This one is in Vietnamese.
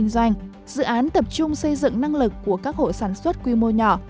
dự án tập trung xây dựng năng lực của các hộ sản xuất quy mô nhỏ